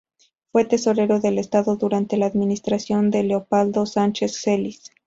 Fue tesorero del estado durante la administración de Leopoldo Sánchez Celis.